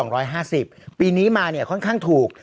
ค่ะ๒๕๐บาทปีนี้มาค่อนข้างถูก